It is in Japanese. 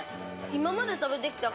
今まで食べてきた